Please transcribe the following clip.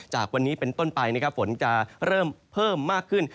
จากวันนี้เป็นต้นไปฝนตกรุมช่ำจะเริ่มมากขึ้น